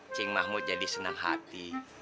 cing mahmud jadi senang hati